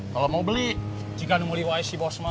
kalau mau beli jika nomori yc bosma